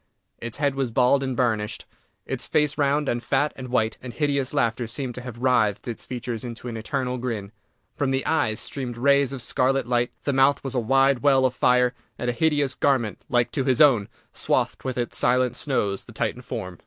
Its head was bald and burnished; its face round, and fat, and white; and hideous laughter seemed to have writhed its features into an eternal grin. From the eyes streamed rays of scarlet light, the mouth was a wide well of fire, and a hideous garment, like to his own, swathed with its silent snows the Titan form.